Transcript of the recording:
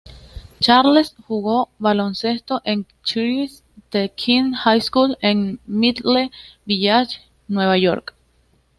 Charles jugó baloncesto en Christ the King High School en Middle Village, Nueva York.